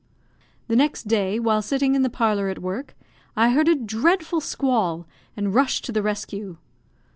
The next day, while sitting in the parlour at work, I heard a dreadful squall, and rushed to the rescue.